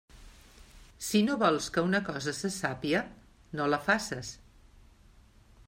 Si no vols que una cosa se sàpia, no la faces.